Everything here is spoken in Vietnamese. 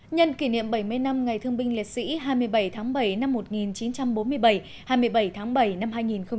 nhân kỷ niệm bảy mươi năm ngày thương binh liệt sĩ hai mươi bảy tháng bảy năm một nghìn chín trăm bốn mươi bảy hai mươi bảy tháng bảy năm hai nghìn một mươi chín